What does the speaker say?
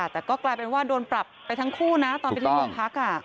แต่ก็กลายเป็นว่าโดนปรับไปทั้งคู่นะตอนไปที่โรงพัก